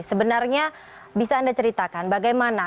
sebenarnya bisa anda ceritakan bagaimana